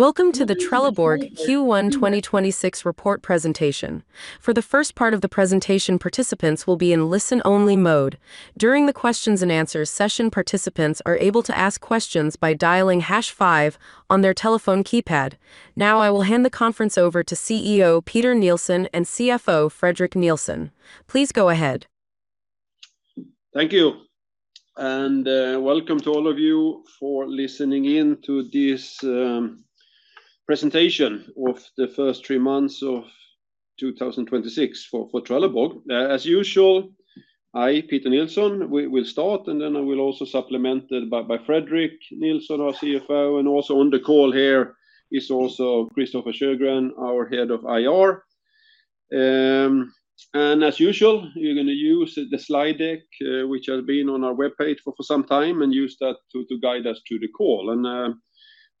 Welcome to the Trelleborg Q1 2026 report presentation. For the first part of the presentation, participants will be in listen-only mode. During the questions and answers session, participants are able to ask questions by dialing hash five on their telephone keypad. Now I will hand the conference over to CEO Peter Nilsson and CFO Fredrik Nilsson. Please go ahead. Thank you. Welcome to all of you for listening in to this presentation of the first three months of 2026 for Trelleborg. As usual, I, Peter Nilsson, will start, and then I will also be supplemented by Fredrik Nilsson, our CFO. Also on the call here is also Christofer Sjögren, our head of IR. As usual, you're going to use the slide deck, which has been on our webpage for some time, and use that to guide us through the call.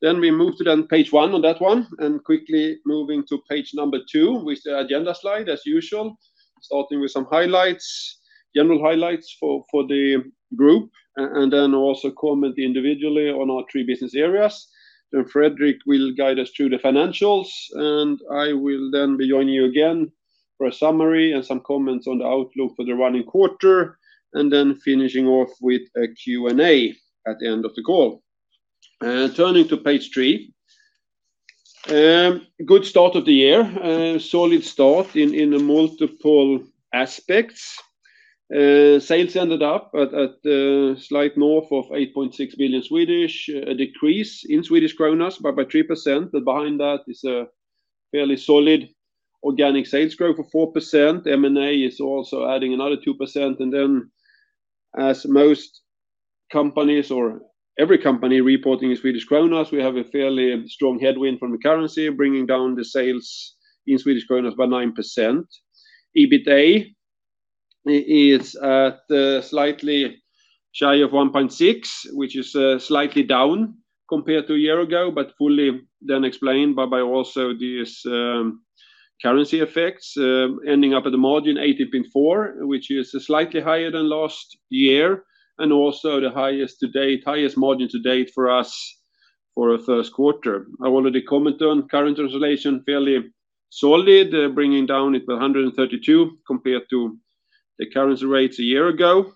Then we move to page one on that one, and quickly moving to page number two with the agenda slide as usual, starting with some highlights, general highlights for the group, and then also comment individually on our three business areas. Fredrik will guide us through the financials, and I will then be joining you again for a summary and some comments on the outlook for the running quarter, and then finishing off with a Q&A at the end of the call. Turning to page three. Good start of the year. Solid start in multiple aspects. Sales ended up at slight north of 8.6 billion, a decrease in Swedish krona by 3%, but behind that is a fairly solid organic sales growth of 4%. M&A is also adding another 2%. As most companies or every company reporting in Swedish krona, we have a fairly strong headwind from the currency, bringing down the sales in Swedish krona by 9%. EBITA is at slightly shy of 1.6, which is slightly down compared to a year ago, but fully then explained by also these currency effects, ending up at the margin 8.04%, which is slightly higher than last year and also the highest margin to date for us for a first quarter. I already commented on currency translation, fairly solid, bringing it down to 13.2 compared to the currency rates a year ago.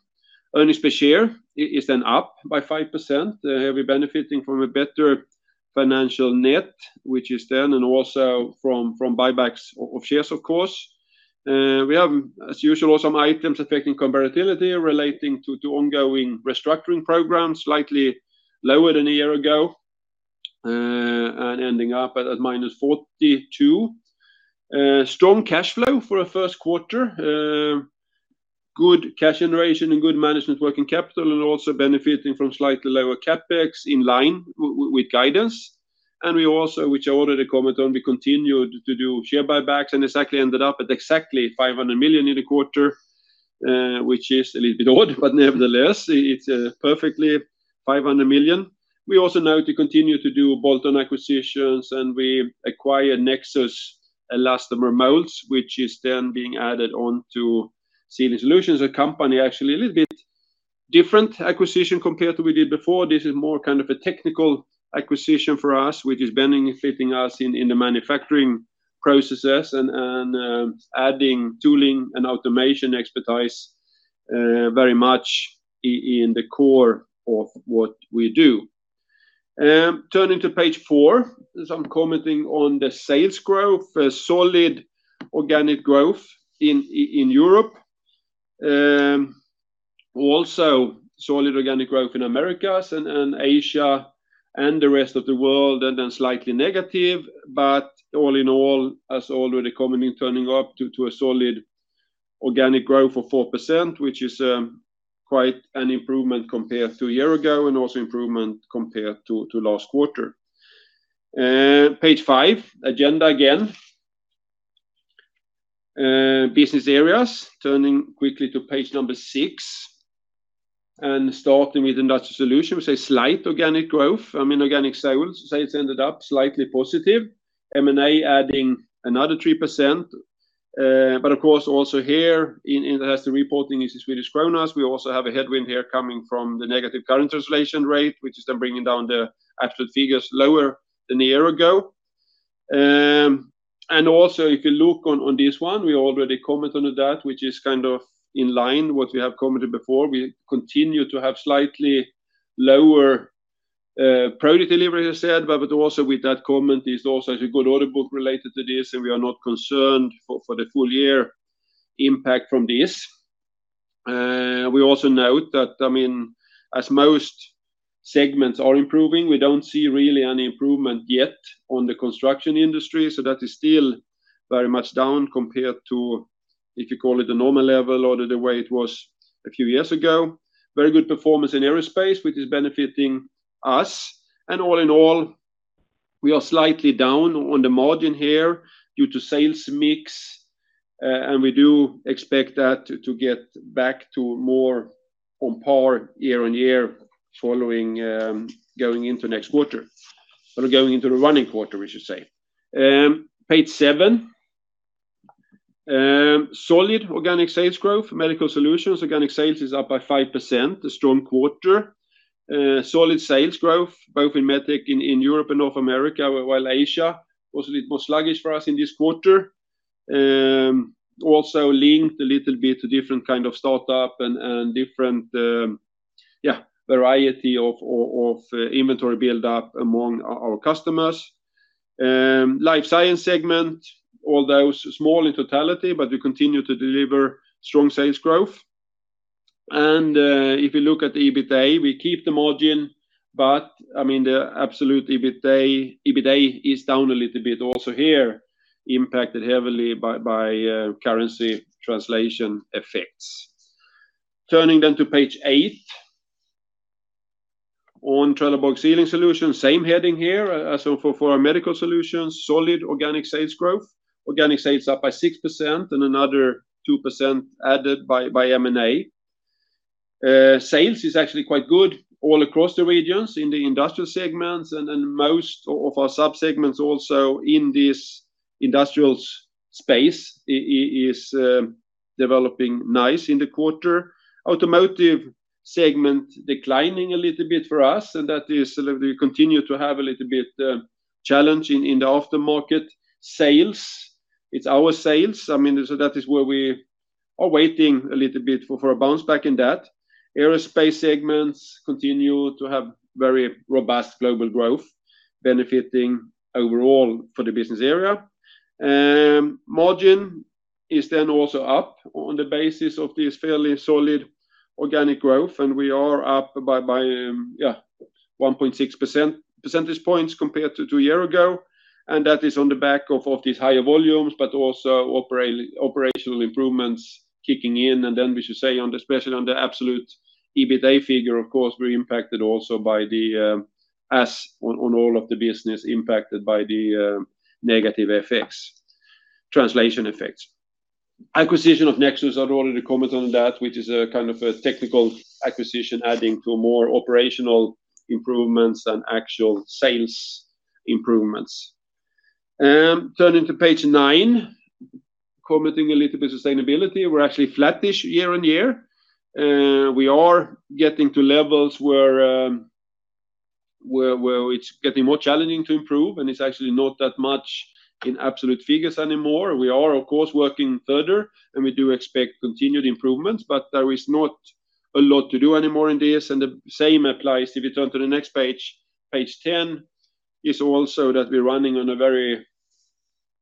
Earnings per share is then up by 5%, here we're benefiting from a better financial net, which is then and also from buybacks of shares, of course. We have, as usual, some items affecting comparability relating to ongoing restructuring programs, slightly lower than a year ago, and ending up at -42. Strong cash flow for a first quarter, good cash generation and good management of working capital and also benefiting from slightly lower CapEx in line with guidance. We also, which I already commented on, we continued to do share buybacks and ended up at exactly 500 million in the quarter, which is a little bit odd, but nevertheless, it's perfectly 500 million. We also now continue to do bolt-on acquisitions, and we acquired Nexus Elastomer Molds, which is then being added on to Sealing Solutions, a company actually a little bit different acquisition compared to we did before. This is more a technical acquisition for us, which is benefiting us in the manufacturing processes and adding tooling and automation expertise very much in the core of what we do. Turning to page four, some comments on the sales growth. Solid organic growth in Europe. Solid organic growth in Americas and Asia and the rest of the world, and then slightly negative. All in all, as already commented, turning out to a solid organic growth of 4%, which is quite an improvement compared to a year ago and also improvement compared to last quarter. Page five, agenda again. Business areas. Turning quickly to page number six and starting with Industrial Solutions, a slight organic growth. Organic sales ended up slightly positive. M&A adding another 3%. Of course, also here the reporting is in Swedish krona. We also have a headwind here coming from the negative currency translation rate, which is then bringing down the absolute figures lower than a year ago. Also, if you look on this one, we already commented on that, which is in line with what we have commented before. We continue to have slightly lower product delivery, as I said, but also with that comment is also a good order book related to this, and we are not concerned for the full year impact from this. We also note that as most segments are improving, we don't see really any improvement yet on the construction industry. That is still very much down compared to, if you call it a normal level or the way it was a few years ago. Very good performance in aerospace, which is benefiting us. All in all, we are slightly down on the margin here due to sales mix. We do expect that to get back to more on par year on year following going into next quarter or going into the running quarter, we should say. Page seven. Solid organic sales growth, Medical Solutions organic sales is up by 5%, a strong quarter. Solid sales growth both in MedTech in Europe and North America, while Asia was a little more sluggish for us in this quarter. Also linked a little bit to different kind of startup and different variety of inventory build-up among our customers. Life science segment, although small in totality, we continue to deliver strong sales growth. If you look at the EBITDA, we keep the margin. The absolute EBITDA is down a little bit also here, impacted heavily by currency translation effects. Turning to page eight. On Trelleborg Sealing Solutions, same heading here. For our Medical Solutions, solid organic sales growth. Organic sales up by 6% and another 2% added by M&A. Sales is actually quite good all across the regions in the industrial segments, and most of our sub-segments also in this industrials space are developing nicely in the quarter. Automotive segment is declining a little bit for us, and we continue to have a little bit of a challenge in the aftermarket sales. It's our sales, so that is where we are waiting a little bit for a bounce back in that. Aerospace segments continue to have very robust global growth, benefiting overall the business area. Margin is then also up on the basis of this fairly solid organic growth, and we are up by 1.6 percentage points compared to two years ago, and that is on the back of these higher volumes, but also operational improvements kicking in. We should say, especially on the absolute EBITDA figure, of course, we're impacted also by the FX on all of the business impacted by the negative translation effects. Acquisition of Nexus, I'd already commented on that, which is a kind of a technical acquisition, adding to more operational improvements than actual sales improvements. Turning to page nine, commenting a little bit on sustainability. We're actually flat-ish year on year. We are getting to levels where it's getting more challenging to improve, and it's actually not that much in absolute figures anymore. We are, of course, working further, and we do expect continued improvements, but there is not a lot to do anymore in this, and the same applies if you turn to the next page. Page 10 is also that we're running on a very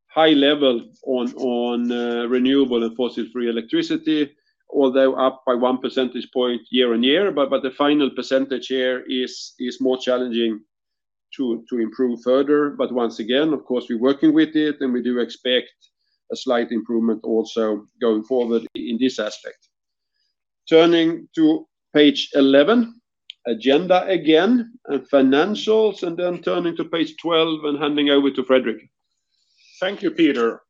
high level on renewable and fossil-free electricity, although up by one percentage point year-on-year. The final percentage here is more challenging to improve further. Once again, of course, we're working with it, and we do expect a slight improvement also going forward in this aspect. Turning to page 11, agenda again and financials, and then turning to page 12 and handing over to Fredrik. Thank you, Peter.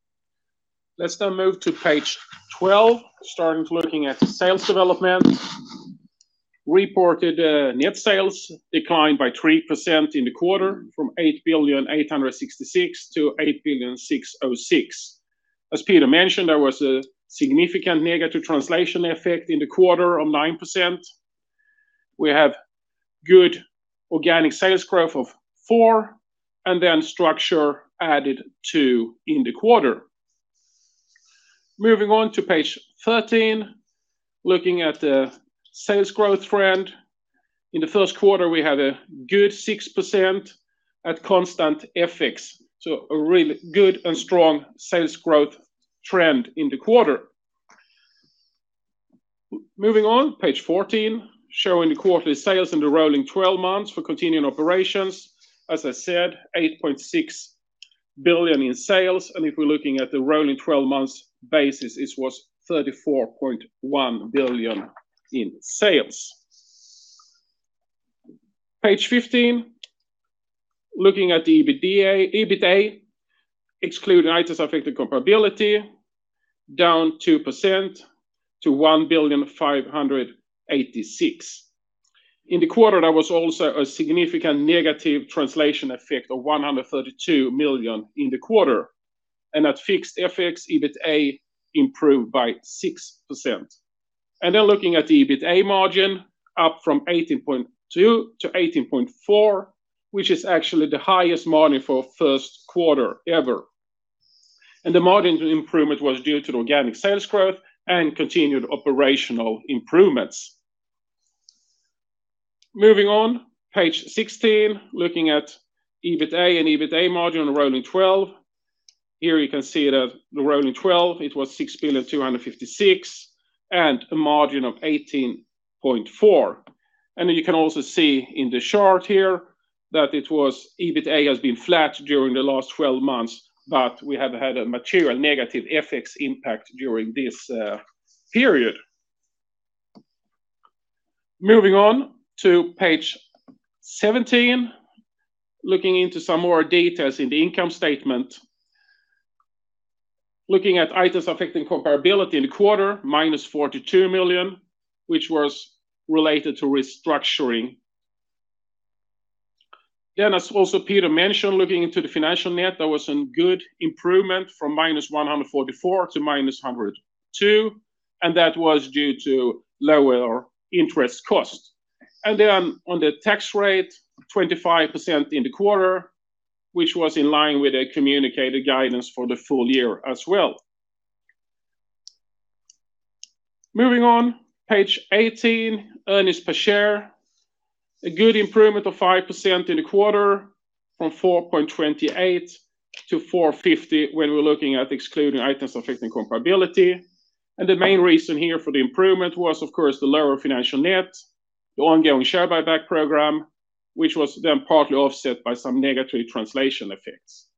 Let's now move to page 12, starting to look at sales development. Reported net sales declined by 3% in the quarter, from 8.866 billion-8.606 billion. As Peter mentioned, there was a significant negative translation effect in the quarter of 9%. We have good organic sales growth of 4%, and then structure added 2% in the quarter. Moving on to page 13, looking at the sales growth trend. In the first quarter, we had a good 6% at constant FX, so a really good and strong sales growth trend in the quarter. Moving on, page 14, showing the quarterly sales in the rolling 12 months for continuing operations. As I said, 8.6 billion in sales, and if we're looking at the rolling 12 months basis, it was 34.1 billion in sales. Page 15, looking at the EBITDA, excluding items affecting comparability, down 2% to 1,586 million. In the quarter, there was also a significant negative translation effect of 132 million in the quarter. At fixed FX, EBITDA improved by 6%. Looking at the EBITDA margin, up from 18.2%-18.4%, which is actually the highest margin for a first quarter ever. The margin improvement was due to organic sales growth and continued operational improvements. Moving on, page 16, looking at EBITDA and EBITDA margin rolling 12. Here you can see that the rolling 12, it was 6,256 million and a margin of 18.4%. You can also see in the chart here that EBITDA has been flat during the last 12 months, but we have had a material negative FX impact during this period. Moving on to page 17, looking into some more details in the income statement. Looking at items affecting comparability in the quarter, -42 million, which was related to restructuring. As also Peter mentioned, looking into the financial net, there was some good improvement from -144 million to -102 million, and that was due to lower interest costs. On the tax rate, 25% in the quarter, which was in line with the communicated guidance for the full year as well. Moving on, page 18, earnings per share. A good improvement of 5% in the quarter from 4.28 to 4.50, when we're looking at excluding items affecting comparability. The main reason here for the improvement was, of course, the lower financial net, the ongoing share buyback program, which was then partly offset by some negative translation effects.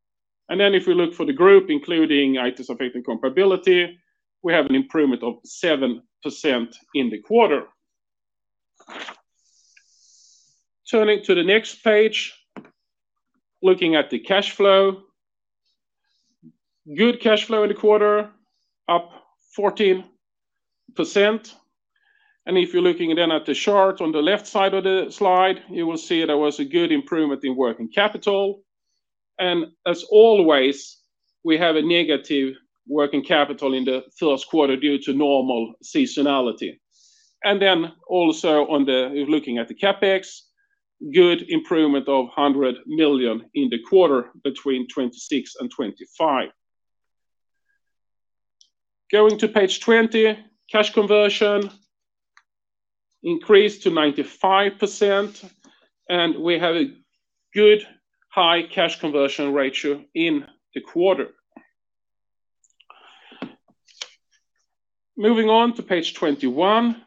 If we look for the group, including items affecting comparability, we have an improvement of 7% in the quarter. Turning to the next page, looking at the cash flow. Good cash flow in the quarter, up 14%. If you're looking then at the chart on the left side of the slide, you will see there was a good improvement in working capital. As always, we have a negative working capital in the first quarter due to normal seasonality. Also looking at the CapEx, good improvement of 100 million in the quarter between 2026 and 2025. Going to page 20, cash conversion increased to 95% and we have a good high cash conversion ratio in the quarter. Moving on to page 21,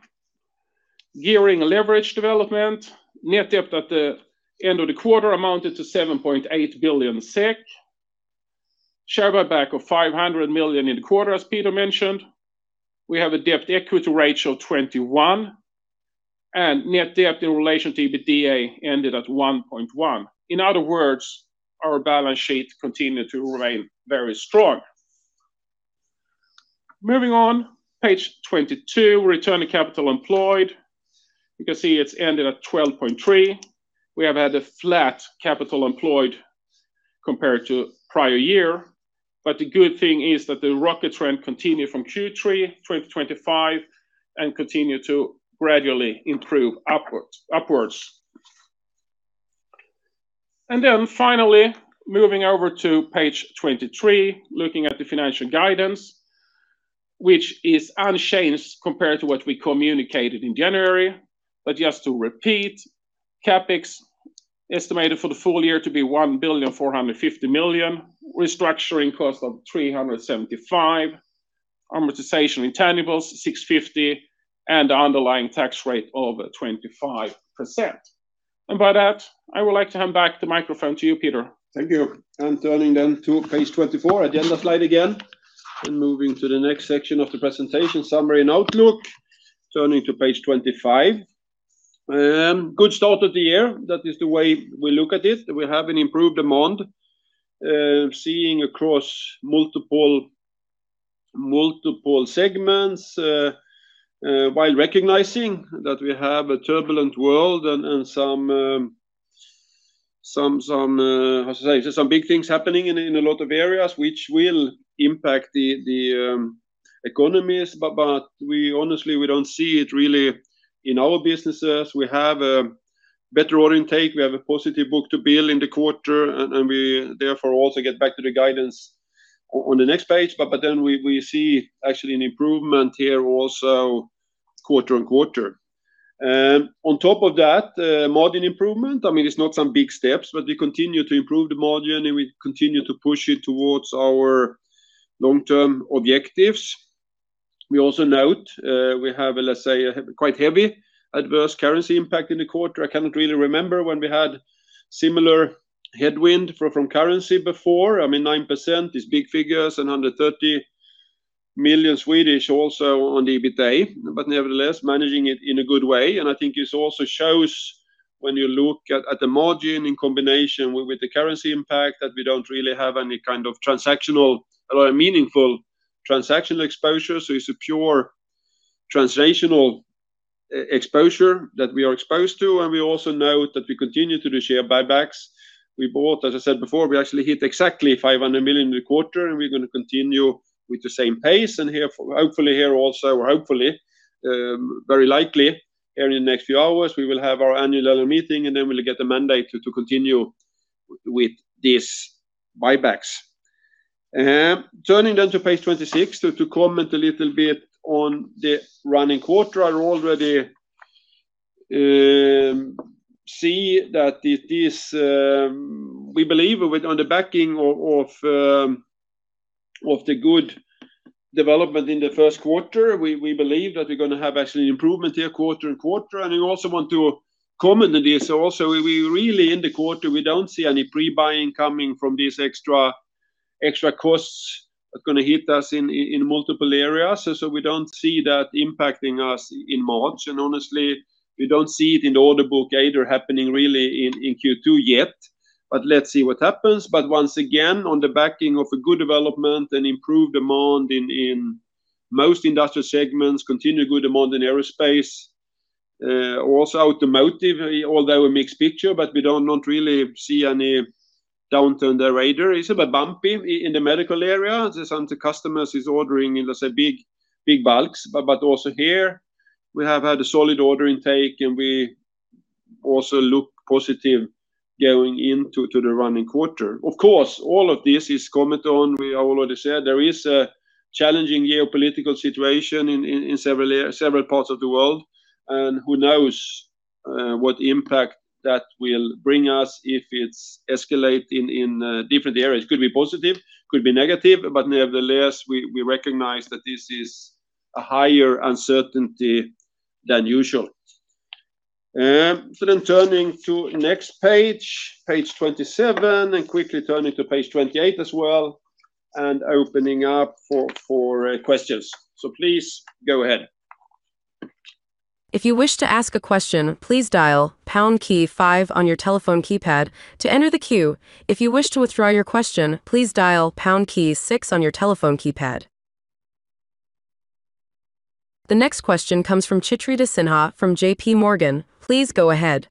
gearing leverage development. Net debt at the end of the quarter amounted to 7.8 billion SEK. Share buyback of 500 million in the quarter, as Peter mentioned. We have a debt-to-equity ratio of 21%, and net debt in relation to EBITDA ended at 1.1. In other words, our balance sheet continued to remain very strong. Moving on, page 22, return on capital employed. You can see it's ended at 12.3%. We have had a flat capital employed compared to prior year, but the good thing is that the ROCE trend continued from Q3 2025 and continued to gradually improve upwards. Then finally, moving over to page 23, looking at the financial guidance, which is unchanged compared to what we communicated in January. Just to repeat, CapEx estimated for the full year to be 1.45 billion, restructuring cost of 375 million, amortization intangibles 650 million, and underlying tax rate of 25%. By that, I would like to hand back the microphone to you, Peter. Thank you. I'm turning then to page 24, agenda slide again, and moving to the next section of the presentation, summary and outlook. Turning to page 25. Good start of the year. That is the way we look at it. We have an improved demand, seeing across multiple segments, while recognizing that we have a turbulent world and some, how to say, some big things happening in a lot of areas, which will impact the economies. Honestly, we don't see it really in our businesses. We have a better order intake. We have a positive book-to-bill in the quarter, and we therefore also get back to the guidance on the next page. We see actually an improvement here also quarter-over-quarter. On top of that, margin improvement. It's not some big steps, but we continue to improve the margin, and we continue to push it towards our long-term objectives. We also note we have, let's say, a quite heavy adverse currency impact in the quarter. I cannot really remember when we had similar headwind from currency before. 9% is big figures and 130 million also on the EBITDA. Nevertheless, managing it in a good way. I think it also shows when you look at the margin in combination with the currency impact, that we don't really have any meaningful transactional exposure. So it's a pure translational exposure that we are exposed to. We also note that we continue to do share buybacks. We bought, as I said before, we actually hit exactly 500 million in the quarter, and we're going to continue with the same pace. Hopefully here also, or hopefully, very likely, here in the next few hours, we will have our annual general meeting, and then we'll get the mandate to continue with these buybacks. Turning to page 26 to comment a little bit on the running quarter. I already see that we believe on the back of the good development in the first quarter, we believe that we're going to have actually an improvement here quarter-over-quarter. We also want to comment on this also, we really in the quarter, we don't see any pre-buying coming from these extra costs are going to hit us in multiple areas. We don't see that impacting us in March. Honestly, we don't see it in the order book either happening really in Q2 yet, but let's see what happens. Once again, on the back of a good development and improved demand in most industrial segments. Continue good demand in aerospace. Also automotive, although a mixed picture, but we don't really see any downturn there either. It's a bit bumpy in the medical area. Some of the customers is ordering in, let's say, big bulks. Also here we have had a solid order intake, and we also look positive going into the coming quarter. Of course, all of this is commented on. We already said there is a challenging geopolitical situation in several parts of the world. Who knows what impact that will bring us if it escalates in different areas. Could be positive, could be negative, but nevertheless, we recognize that this is a higher uncertainty than usual. Turning to next page 27, and quickly turning to page 28 as well, and opening up for questions. Please go ahead. If you wish to ask a question, please dial pound key five on your telephone keypad to enter the queue. If you wish to withdraw your question, please dial pound key six on your telephone keypad. The next question comes from Chetan Udeshi from JPMorgan. Please go ahead.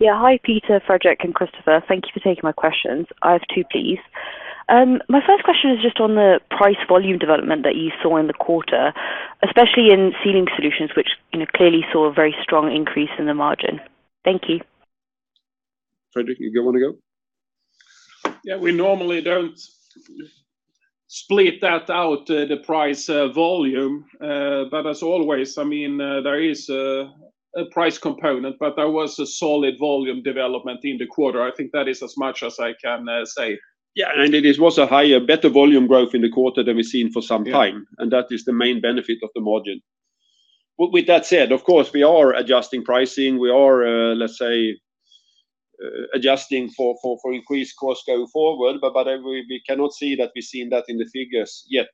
Yeah. Hi, Peter, Fredrik, and Christofer. Thank you for taking my questions. I have two, please. My first question is just on the price volume development that you saw in the quarter, especially in Sealing Solutions, which clearly saw a very strong increase in the margin. Thank you. Fredrik, you want to go? Yeah. We normally don't split that out, the price volume. As always, there is a price component, but there was a solid volume development in the quarter. I think that is as much as I can say. Yeah, it was a higher, better volume growth in the quarter than we've seen for some time. Yeah. That is the main benefit of the margin. With that said, of course, we are adjusting pricing. We are, let's say, adjusting for increased cost going forward, but we cannot say that we're seeing that in the figures yet.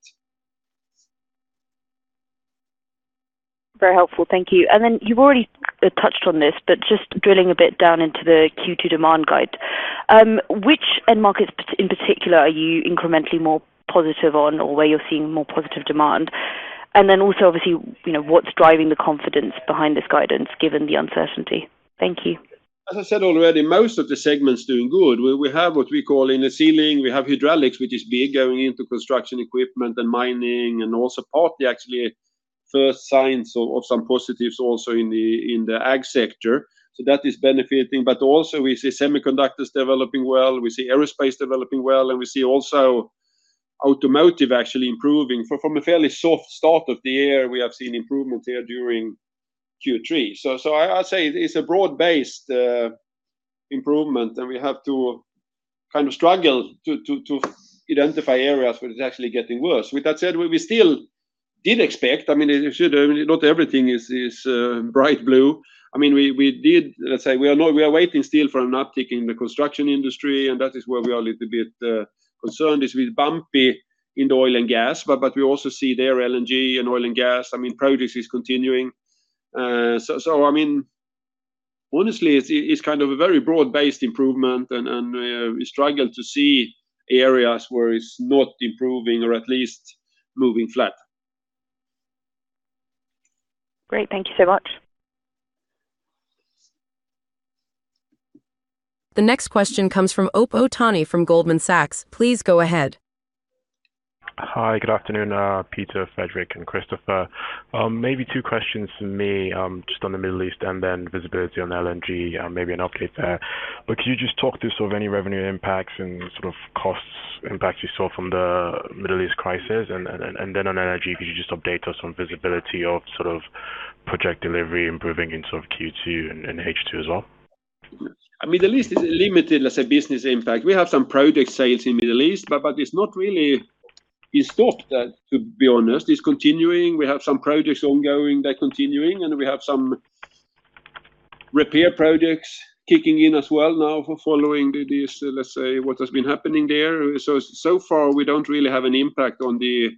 Very helpful, thank you. You've already touched on this, but just drilling a bit down into the Q2 demand guide. Which end markets in particular are you incrementally more positive on, or where you're seeing more positive demand? Also, obviously, what's driving the confidence behind this guidance, given the uncertainty? Thank you. As I said already, most of the segments doing good. We have what we call in the Sealing, we have hydraulics, which is big going into construction equipment and mining, and also partly actually first signs of some positives also in the ag sector. That is benefiting. Also we see semiconductors developing well, we see aerospace developing well, and we see also automotive actually improving. From a fairly soft start of the year, we have seen improvement there during Q3. I say it's a broad-based improvement, and we have to kind of struggle to identify areas where it's actually getting worse. With that said, we still did expect, not everything is bright blue. We are waiting still for an uptick in the construction industry, and that is where we are a little bit concerned. It's been bumpy in the oil and gas, but we also see that LNG and oil and gas production is continuing. Honestly, it's kind of a very broad-based improvement, and we struggle to see areas where it's not improving or at least moving flat. Great. Thank you so much. The next question comes from Ope Otaniyi from Goldman Sachs. Please go ahead. Hi, good afternoon, Peter, Fredrik, and Christofer. Maybe two questions from me, just on the Middle East and then visibility on LNG, maybe an update there. Could you just talk through any revenue impacts and sort of costs impacts you saw from the Middle East crisis? Then on LNG, could you just update us on visibility of project delivery improving in Q2 and H2 as well? Middle East is limited as a business impact. We have some project sales in Middle East, but it's not really in stock, to be honest. It's continuing. We have some projects ongoing that are continuing, and we have some repair projects kicking in as well now following this, let's say, what has been happening there. So far, we don't really have an impact on the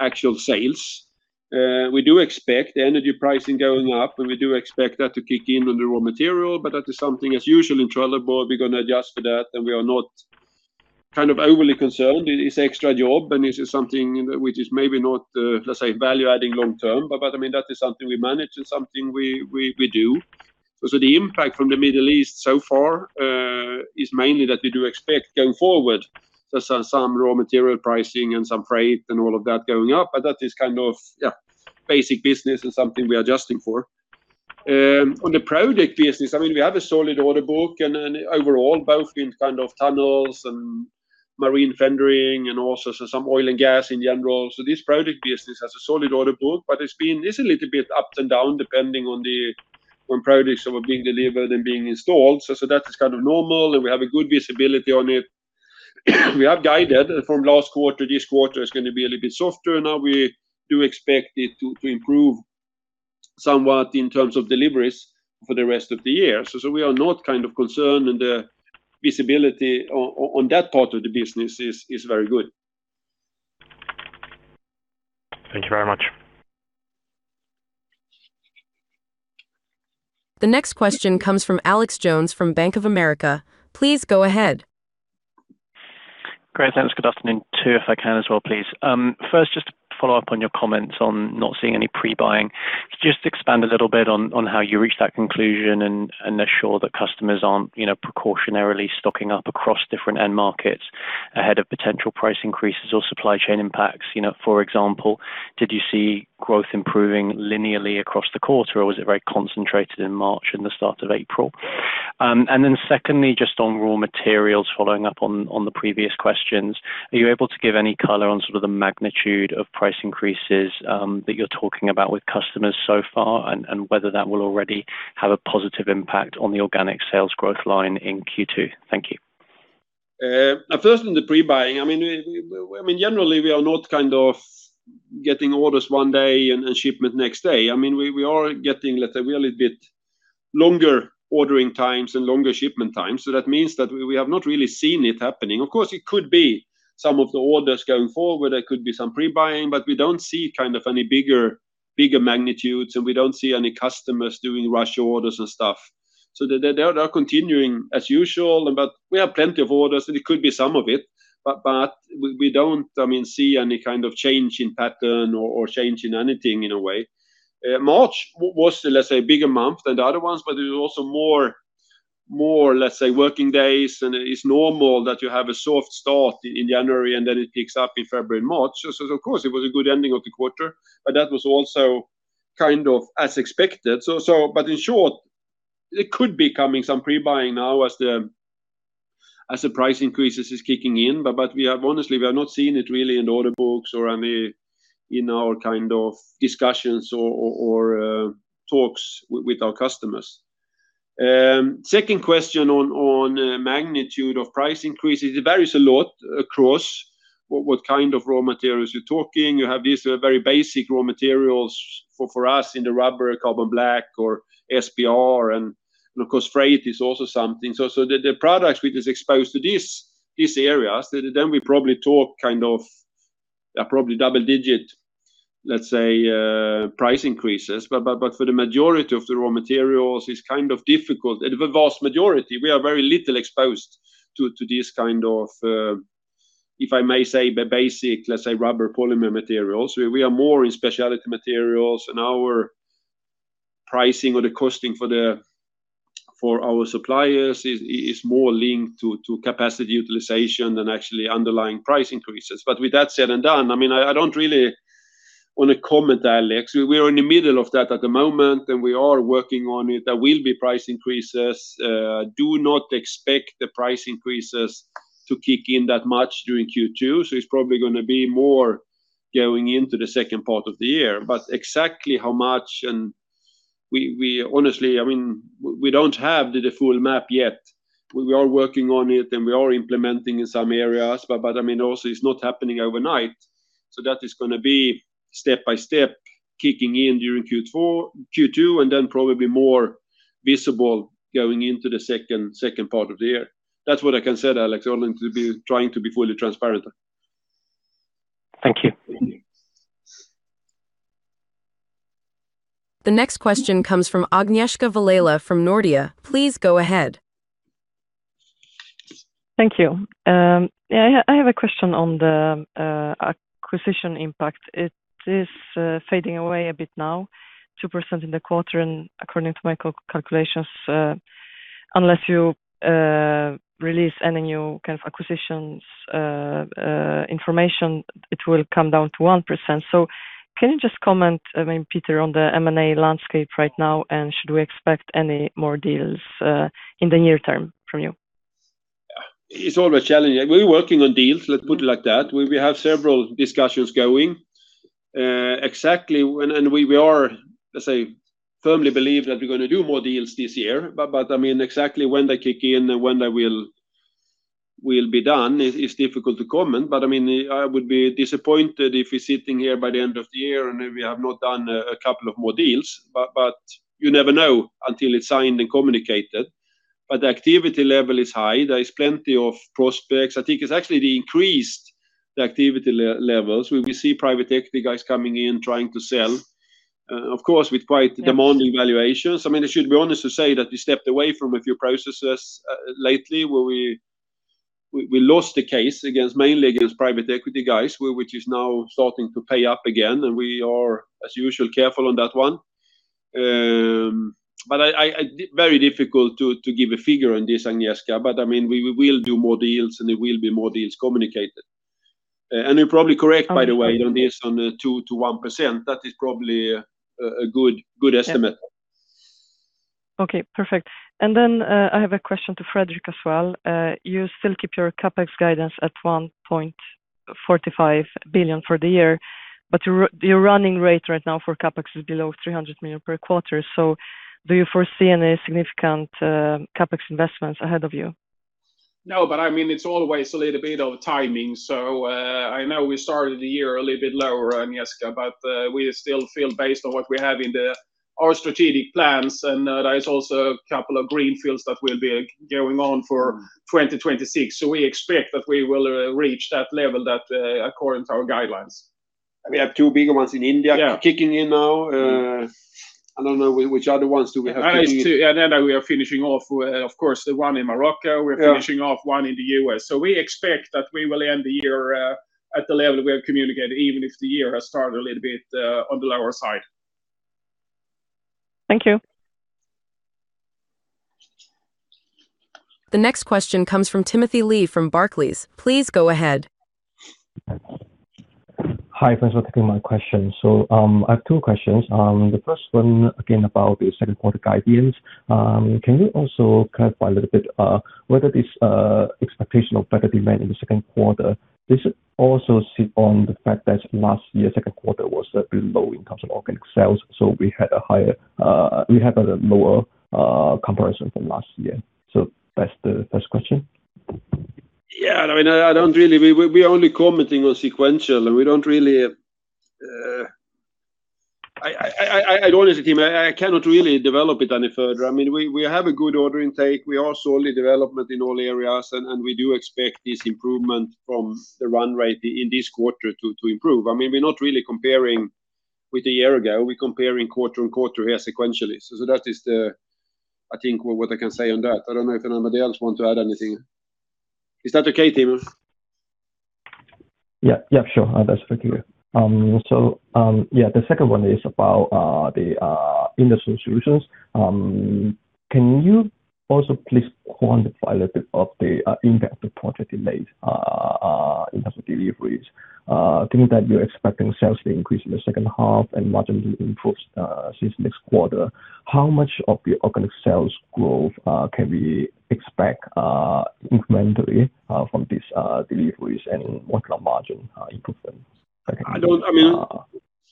actual sales. We do expect the energy pricing going up, and we do expect that to kick in on the raw material, but that is something as usual in Trelleborg, we're going to adjust to that, and we are not kind of overly concerned. It's extra job, and it is something which is maybe not, let's say, value adding long term. That is something we manage and something we do. The impact from the Middle East so far is mainly that we do expect going forward, there's some raw material pricing and some freight and all of that going up, but that is kind of, yeah, basic business and something we are adjusting for. On the project business, we have a solid order book and overall both in tunnels and marine tendering and also some oil and gas in general. This project business has a solid order book, but it's a little bit up and down depending on projects that were being delivered and being installed. That is kind of normal, and we have a good visibility on it. We have guided from last quarter, this quarter is going to be a little bit softer. Now we do expect it to improve somewhat in terms of deliveries for the rest of the year. We are not kind of concerned and the visibility on that part of the business is very good. Thank you very much. The next question comes from Alex Jones from Bank of America. Please go ahead. Great. Thanks. Good afternoon, too, if I can as well, please. First, just to follow up on your comments on not seeing any pre-buying. Could you just expand a little bit on how you reached that conclusion and ensure that customers aren't precautionarily stocking up across different end markets ahead of potential price increases or supply chain impacts? For example, did you see growth improving linearly across the quarter, or was it very concentrated in March and the start of April? Then secondly, just on raw materials, following up on the previous questions, are you able to give any color on sort of the magnitude of price increases that you're talking about with customers so far? And whether that will already have a positive impact on the organic sales growth line in Q2. Thank you. First on the pre-buying, generally we are not getting orders one day and shipment the next day. We are getting a little bit longer ordering times and longer shipment times, so that means that we have not really seen it happening. Of course, it could be some of the orders going forward, there could be some pre-buying, but we don't see any bigger magnitudes, and we don't see any customers doing rush orders and stuff. They are continuing as usual. We have plenty of orders, and it could be some of it, but we don't see any kind of change in pattern or change in anything in a way. March was, let's say, a bigger month than the other ones, but it was also more, let's say, working days, and it is normal that you have a soft start in January and then it picks up in February and March. Of course, it was a good ending of the quarter, but that was also kind of as expected. In short, it could be coming, some pre-buying now as the price increases is kicking in. Honestly, we are not seeing it really in order books or in our kind of discussions or talks with our customers. Second question on magnitude of price increases. It varies a lot across what kind of raw materials you're talking. You have these very basic raw materials for us in the rubber, carbon black or SBR, and of course, freight is also something. The products which is exposed to these areas, then we probably talk double digit, let's say, price increases. But for the majority of the raw materials, it's kind of difficult. The vast majority, we are very little exposed to this kind of, if I may say, the basic, let's say, rubber polymer materials. We are more in specialty materials, and our pricing or the costing for our suppliers is more linked to capacity utilization than actually underlying price increases. But with that said and done, I don't really want to comment, Alex. We are in the middle of that at the moment, and we are working on it. There will be price increases. Do not expect the price increases to kick in that much during Q2. It's probably going to be more going into the second part of the year. Exactly how much, and we honestly, we don't have the full map yet. We are working on it, and we are implementing in some areas, but also it's not happening overnight. That is going to be step by step, kicking in during Q2 and then probably more visible going into the second part of the year. That's what I can say, Alex. I want to be trying to be fully transparent. Thank you. The next question comes from Agnieszka Vilela from Nordea. Please go ahead. Thank you. I have a question on the acquisition impact. It is fading away a bit now, 2% in the quarter, and according to my calculations, unless you release any new kind of acquisitions information, it will come down to 1%. Can you just comment, Peter, on the M&A landscape right now, and should we expect any more deals in the near term from you? It's always challenging. We're working on deals, let's put it like that. We have several discussions going. Exactly, we are, let's say, firmly believe that we're going to do more deals this year. Exactly when they kick in and when they will be done is difficult to comment. I would be disappointed if we're sitting here by the end of the year and we have not done a couple of more deals. You never know until it's signed and communicated. The activity level is high. There is plenty of prospects. I think it's actually increased the activity levels, where we see private equity guys coming in trying to sell. Of course, with quite demanding valuations. I should be honest to say that we stepped away from a few processes lately, where we lost the case mainly against private equity guys, which is now starting to pay up again, and we are, as usual, careful on that one. Very difficult to give a figure on this, Agnieszka. We will do more deals, and there will be more deals communicated. You're probably correct, by the way, on this, on the 2%-1%. That is probably a good estimate. Okay, perfect. Then, I have a question to Fredrik as well. You still keep your CapEx guidance at 1.45 billion for the year, but your running rate right now for CapEx is below 300 million per quarter. Do you foresee any significant CapEx investments ahead of you? No, but it's always a little bit of timing. I know we started the year a little bit lower, Agnieszka, but we still feel based on what we have in our strategic plans, and there is also a couple of greenfield that will be going on for 2026. We expect that we will reach that level according to our guidelines. We have two bigger ones in India kicking in now. I don't know which other ones do we have kicking in? There is two, and then we are finishing off, of course, the one in Morocco. Yeah. We're finishing off one in the U.S. We expect that we will end the year at the level we have communicated, even if the year has started a little bit on the lower side. Thank you. The next question comes from Timothy Lee from Barclays. Please go ahead. Hi. Thanks for taking my question. I have two questions. The first one, again, about the second quarter guidance. Can you also clarify a little bit whether this expectation of better demand in the second quarter, this also sits on the fact that last year second quarter was a bit low in terms of organic sales, so we had a lower comparison from last year. That's the first question. Yeah, we are only commenting on sequential, and honestly, Tim, I cannot really develop it any further. We have a good order intake. We are solid development in all areas, and we do expect this improvement from the run rate in this quarter to improve. We're not really comparing with a year ago. We're comparing quarter-on-quarter here sequentially. That is, I think, what I can say on that. I don't know if anybody else want to add anything. Is that okay, Tim? Yeah. Sure. That's perfect. Yeah, the second one is about the Industrial Solutions. Can you also please quantify a little bit of the impact of project delays in terms of deliveries, given that you're expecting sales to increase in the second half and margins will improve since next quarter. How much of your organic sales growth can we expect incrementally from these deliveries and what kind of margin improvements?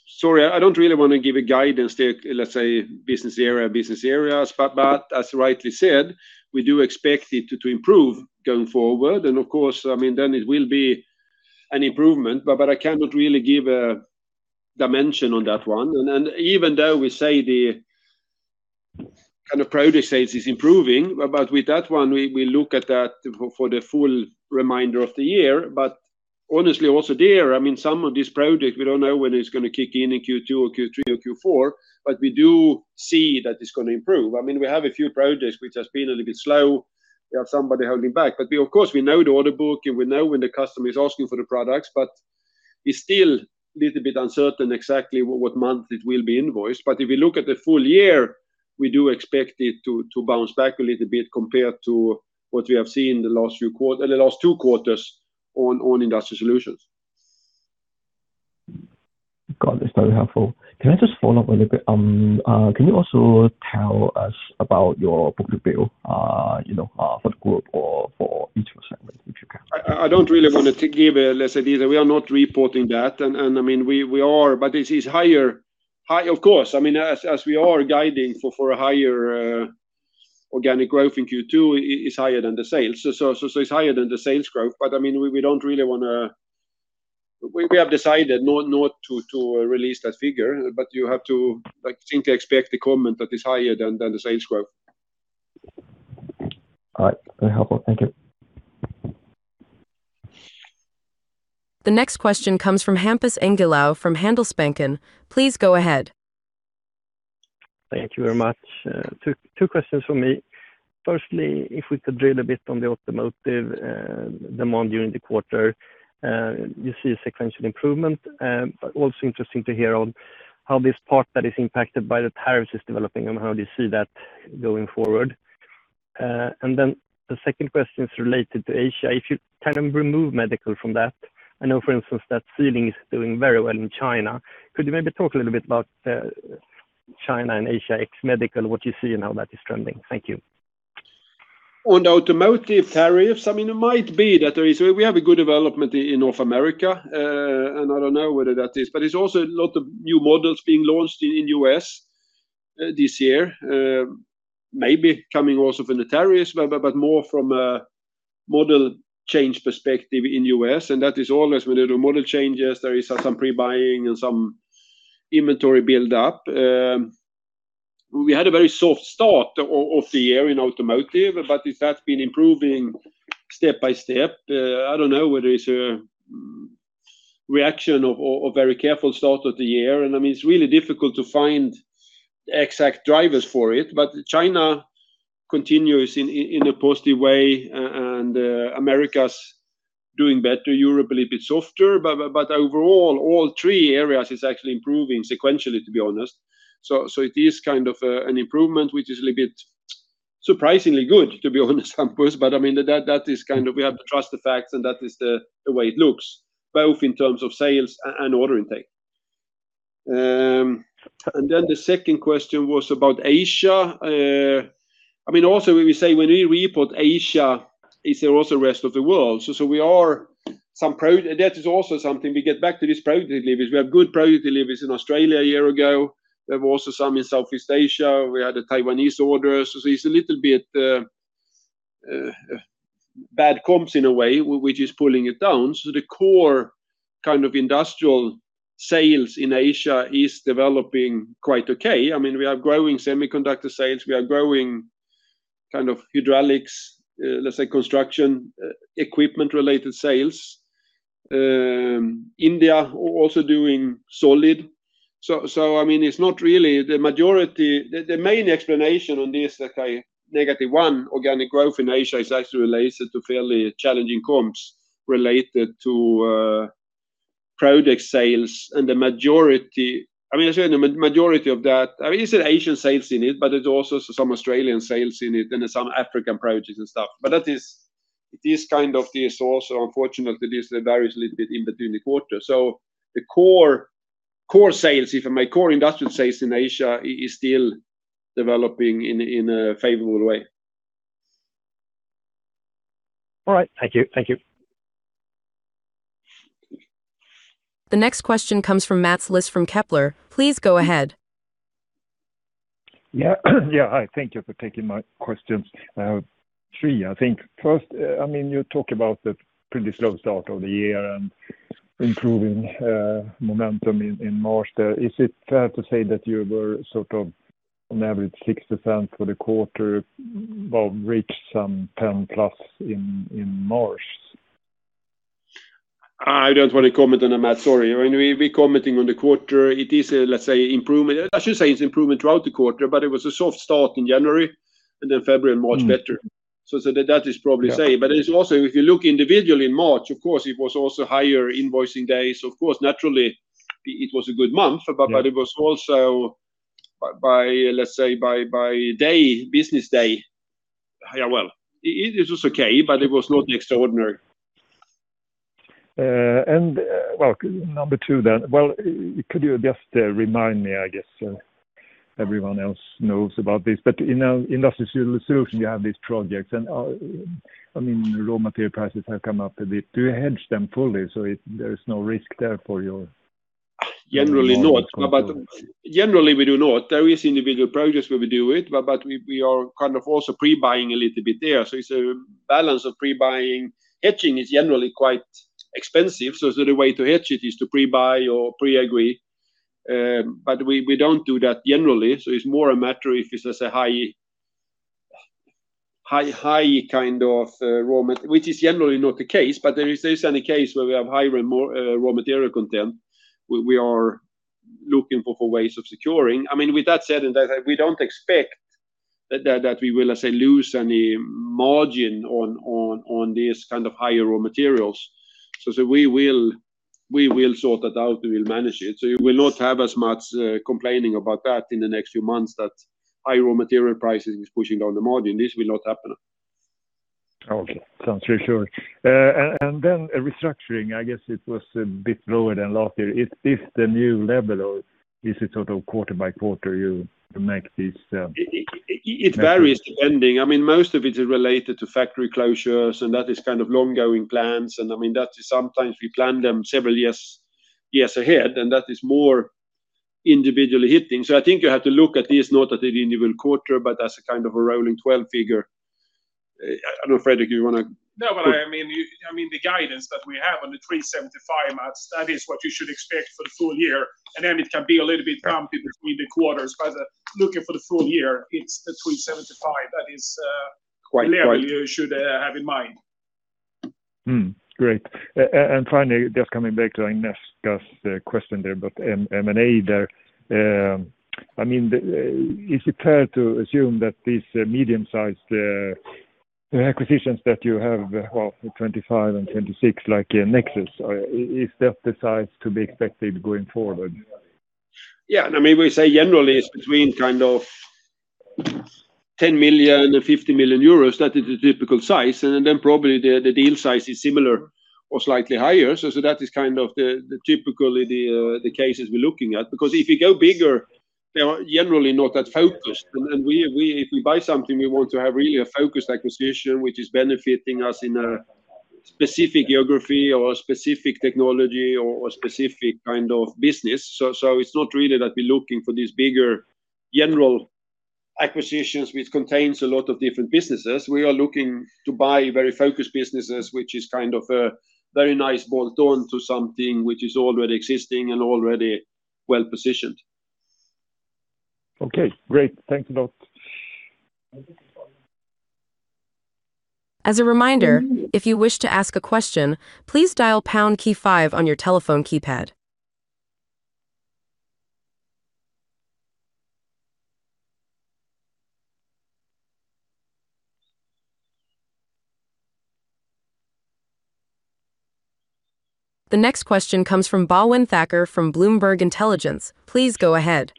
Sorry, I don't really want to give a guidance to, let's say, business area. As rightly said, we do expect it to improve going forward. Of course, then it will be an improvement, but I cannot really give a dimension on that one. Even though we say the kind of project sales is improving, but with that one, we look at that for the full remainder of the year. Honestly, also there, some of these projects, we don't know when it's going to kick in Q2 or Q3 or Q4, but we do see that it's going to improve. We have a few projects which has been a little bit slow. We have somebody holding back. Of course, we know the order book, and we know when the customer is asking for the products, but it's still a little bit uncertain exactly what month it will be invoiced. If we look at the full year, we do expect it to bounce back a little bit compared to what we have seen the last two quarters on Industrial Solutions. Got it. That's very helpful. Can I just follow up a little bit? Can you also tell us about your book-to-bill for the group or for each segment, if you can? I don't really want to give a, let's say. We are not reporting that. This is higher, of course. As we are guiding for a higher organic growth in Q2 is higher than the sales. It's higher than the sales growth. We don't really want to. We have decided not to release that figure. You have to simply expect the comment that is higher than the sales growth. All right. Very helpful. Thank you. The next question comes from Hampus Engellau from Handelsbanken. Please go ahead. Thank you very much. Two questions from me. Firstly, if we could drill a bit on the automotive demand during the quarter. You see a sequential improvement. Also interesting to hear on how this part that is impacted by the tariffs is developing and how do you see that going forward. Then the second question is related to Asia. If you kind of remove medical from that, I know, for instance, that sealing is doing very well in China. Could you maybe talk a little bit about China and Asia ex medical, what you see and how that is trending? Thank you. On the automotive tariffs. We have a good development in North America, and I don't know whether that is, but it's also a lot of new models being launched in U.S. this year. Maybe coming also from the tariffs, but more from a model change perspective in U.S., and that is always when they do model changes, there is some pre-buying and some inventory build-up. We had a very soft start of the year in automotive, but that's been improving step by step. I don't know whether it's a reaction of a very careful start of the year, and it's really difficult to find exact drivers for it. China continues in a positive way, and America's doing better, Europe a little bit softer. Overall, all three areas is actually improving sequentially, to be honest. It is kind of an improvement, which is a little bit surprisingly good to be honest, Hampus. We have to trust the facts, and that is the way it looks, both in terms of sales and order intake. The second question was about Asia. Also when we say, when we report Asia, is also rest of the world. That is also something, we get back to this project deliveries. We have good project deliveries in Australia a year ago. We have also some in Southeast Asia. We had the Taiwanese orders. It's a little bit bad comps in a way, which is pulling it down. The core kind of industrial sales in Asia is developing quite okay. We are growing semiconductor sales. We are growing. Kind of hydraulics, let's say, construction equipment related sales. India also doing solid. It's not really the majority. The main explanation on this, -1% organic growth in Asia is actually related to fairly challenging comps related to project sales and the majority of that, it's Asian sales in it, but it's also some Australian sales in it and then some African projects and stuff. It is kind of the source, unfortunately, this varies a little bit in between the quarters. The core sales, if I take core industrial sales in Asia, is still developing in a favorable way. All right. Thank you. The next question comes from Mats Liss from Kepler. Please go ahead. Yeah. Thank you for taking my questions. I have three, I think. First, you talk about the pretty slow start of the year and improving momentum in March there. Is it fair to say that you were sort of on average 6% for the quarter, but reached some 10+ in March? I don't want to comment on that, Mats, sorry. When we're commenting on the quarter, it is, let's say, improvement. I should say it's improvement throughout the quarter, but it was a soft start in January, and then February and March better. Mm-hmm. That is probably same. It's also, if you look individually in March, of course, it was also higher invoicing days. Of course, naturally it was a good month. Yeah. It was also by, let's say, by business day, it was okay, but it was not extraordinary. Well, number two then. Well, could you just remind me? I guess everyone else knows about this, but in our Industrial Solutions, you have these projects and raw material prices have come up a bit. Do you hedge them fully so there is no risk there for your- Generally not. Generally we do not. There is individual projects where we do it, but we are kind of also pre-buying a little bit there. It's a balance of pre-buying. Hedging is generally quite expensive, so the way to hedge it is to pre-buy or pre-agree. We don't do that generally, so it's more a matter if it's, let's say, high kind of raw material, which is generally not the case, but if there is any case where we have high raw material content, we are looking for ways of securing. With that said, we don't expect that we will, let's say, lose any margin on these kind of higher raw materials. We will sort that out and we'll manage it. You will not have as much complaining about that in the next few months, that high raw material pricing is pushing down the margin. This will not happen. Okay. Sounds very sure. Then restructuring, I guess it was a bit lower than last year. Is this the new level, or is it sort of quarter by quarter you make these? It varies, depending. Most of it is related to factory closures, and that is kind of ongoing plans. That is sometimes we plan them several years ahead, and that is more individually hitting. I think you have to look at this, not at the individual quarter, but as a kind of a rolling 12 figure. I don't know, Fredrik, you want to? No, the guidance that we have on the 375, Mats, that is what you should expect for the full year, and then it can be a little bit bumpy between the quarters. Looking for the full year, it's the 375. Quite The level you should have in mind. Great. Finally, just coming back to Agnieszka's question there about M&A there. Is it fair to assume that these medium-sized acquisitions that you have, well, for 2025 and 2026, like Nexus, is that the size to be expected going forward? Yeah. We say generally it's between 10 million and 50 million euros. That is the typical size. Probably the deal size is similar or slightly higher. That is kind of typically the cases we're looking at. Because if you go bigger, they are generally not that focused. If we buy something, we want to have really a focused acquisition which is benefiting us in a specific geography or a specific technology or a specific kind of business. It's not really that we're looking for these bigger general acquisitions which contains a lot of different businesses. We are looking to buy very focused businesses, which is kind of a very nice bolt-on to something which is already existing and already well-positioned. Okay, great. Thank you both. As a reminder, if you wish to ask a question, please dial pound key five on your telephone keypad. The next question comes from Bhavin Thakkar from Bloomberg Intelligence. Please go ahead.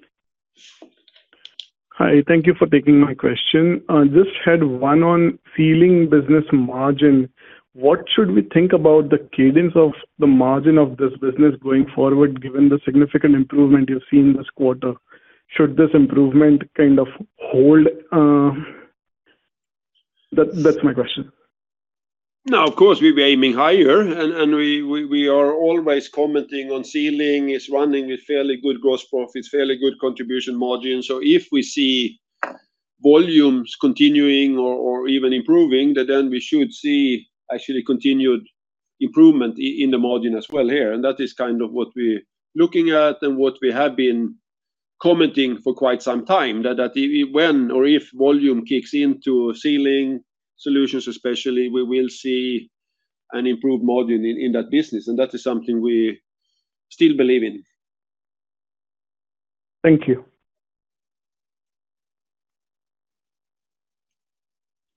Hi, thank you for taking my question. Just had one on Sealing business margin. What should we think about the cadence of the margin of this business going forward, given the significant improvement you've seen this quarter? Should this improvement kind of hold? That's my question. Of course, we're aiming higher, and we are always commenting on Sealing. It's running a fairly good gross profit, fairly good contribution margin. If we see volumes continuing or even improving, then we should see actually continued improvement in the margin as well here. That is kind of what we're looking at and what we have been commenting for quite some time, that when or if volume kicks into Sealing Solutions especially, we will see an improved margin in that business, and that is something we still believe in. Thank you.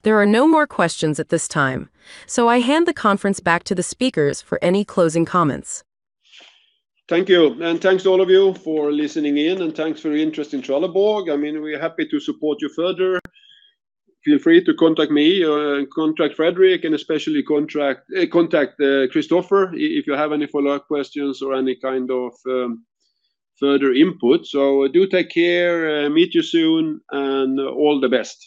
There are no more questions at this time, so I hand the conference back to the speakers for any closing comments. Thank you. Thanks to all of you for listening in, and thanks for your interest in Trelleborg. We are happy to support you further. Feel free to contact me or contact Fredrik, and especially contact Christofer if you have any follow-up questions or any kind of further input. Do take care, meet you soon, and all the best.